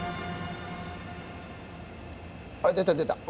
あ出た出た。